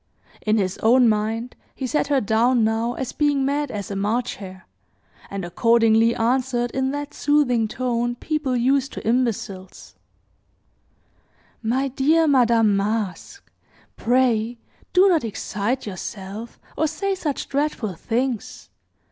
In his own mind, he set her down, now, as being mad as a March hare, and accordingly answered in that soothing tone people use to imbeciles, "My dear Madame Masque, pray do not excite yourself, or say such dreadful things.